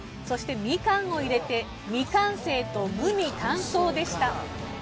そしてみかんを入れて未完成と無味乾燥でした。